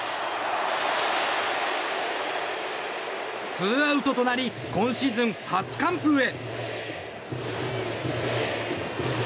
ツーアウトとなり今シーズン初完封へ。